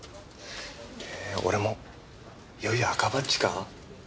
え俺もいよいよ赤バッジか？